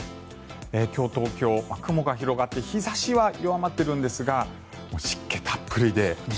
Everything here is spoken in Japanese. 今日、東京、雲が広がって日差しは弱まっているんですが湿気たっぷりで。